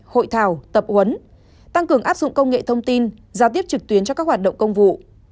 hội thảo tập huấn tăng cường áp dụng công nghệ thông tin giao tiếp trực tuyến cho các hoạt động công vụ